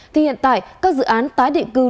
thì hiện tại các dự án tái định cư